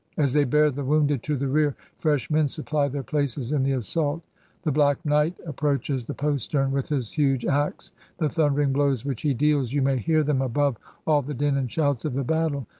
As they bear the woimded to the rear, fresh men supply their places in the assault. ... The Black Knight ap proaches the postern with his huge axe — ^the thimdering blows which he deals, you may hear them above all the din and shouts of the battle.